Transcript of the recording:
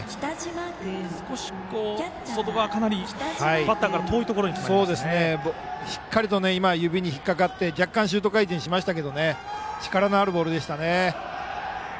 少し外側かなりバッターから遠いところにしっかり今指に引っかかって若干シュート回転しましたが力のあるボールでしたね。